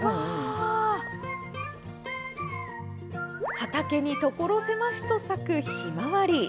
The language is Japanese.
畑にところ狭しと咲くひまわり。